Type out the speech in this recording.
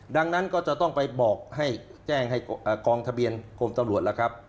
ดังนั้นก็จะต้องไปบอกให้แจ้งให้กองทะเบียนกรมตำรวจล่ะครับ